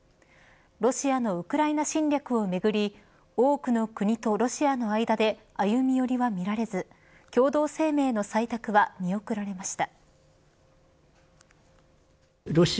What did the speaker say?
ロシアのウクライナ侵略をめぐり多くの国とロシアの間で歩み寄りは見られず共同声明の採択は見送られました。